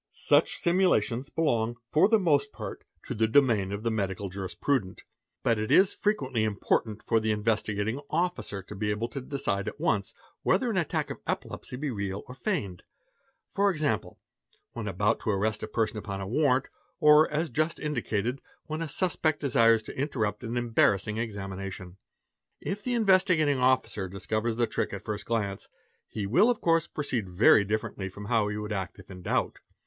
Such simulations belong for the most part to the dom SHAMMING EPILEPSY 319 of the medical jurisprudent; but it is frequently important for the In vestigating Officer to be able to decide at once whether an attack of epilepsy be real or feigned; for example, when about to arrest a person upon a warrant or, as just indicated, when a suspect desires to interrupt an embarrassing examination. If the Investigating Officer discovers the 'trick at the first glance, he will of course proceed very differently from how he would act if in doubt.